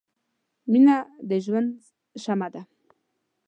• مینه د ژوند شمعه ده.